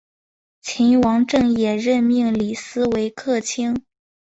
秦王政也任命李斯为客卿。